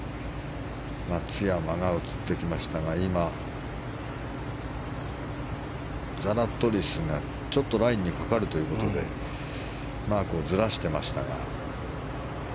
松山が映ってきましたが今ザラトリスが、ちょっとラインにかかるということでマークをずらしてましたが。